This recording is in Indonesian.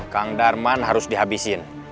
kang darman harus dihabisin